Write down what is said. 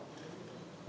dan memiliki kekuatan uang